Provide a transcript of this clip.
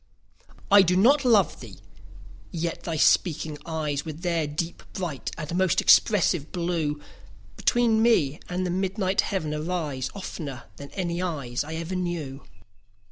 I do not love thee!—yet thy speaking eyes, With their deep, bright, and most expressive blue, Between me and the midnight heaven arise, 15 Oftener than any eyes I ever knew.